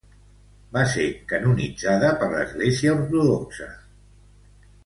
Va ser canonitzada per l'Església ortodoxa.